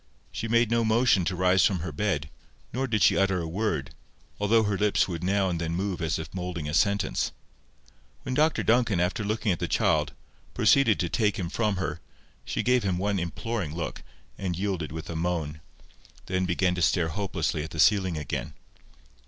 She made no motion to rise from her bed, nor did she utter a word, although her lips would now and then move as if moulding a sentence. When Dr Duncan, after looking at the child, proceeded to take him from her, she gave him one imploring look, and yielded with a moan; then began to stare hopelessly at the ceiling again.